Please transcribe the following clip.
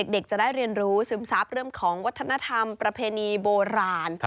เด็กจะได้เรียนรู้ซึมซับเรื่องของวัฒนธรรมประเพณีโบราณ